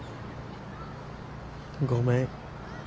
ごめん。